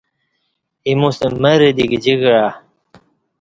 ایموستہ مرہ دی گجی کعا۔